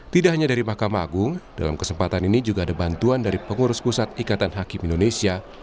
tidak hanya dari mahkamah agung dalam kesempatan ini juga ada bantuan dari pengurus pusat ikatan hakim indonesia